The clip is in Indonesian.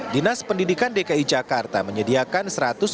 dinas pendidikan dki jakarta menyediakan